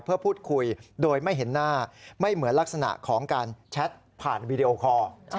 เพื่อพูดคุยโดยไม่เห็นหน้าไม่เหมือนลักษณะของการแชทผ่านวีดีโอคอร์